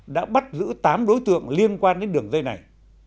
đã bắt giữ tám đối tượng liên quan đến đường dây này